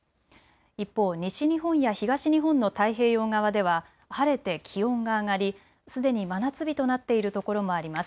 一方、西日本や東日本の太平洋側では晴れて気温が上がりすでに真夏日となっているところもあります。